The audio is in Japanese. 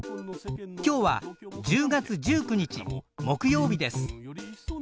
今日は１０月１９日木曜日です。